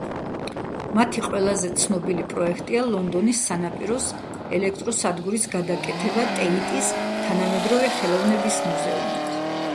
მათი ყველაზე ცნობილი პროექტია ლონდონის სანაპიროს ელექტრო სადგურის გადაკეთება ტეიტის თანამედროვე ხელოვნების მუზეუმად.